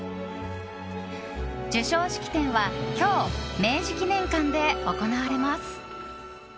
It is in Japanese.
授賞式典は今日明治記念館で行われます。